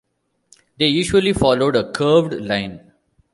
They usually followed a curved line.